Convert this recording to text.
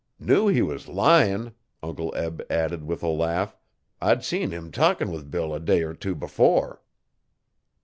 'Knew he was lyin',' Uncle Eb added with a laugh, 'I'd seen him talkin' with Bill a day er two before.